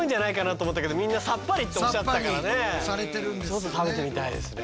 ちょっと食べてみたいですね。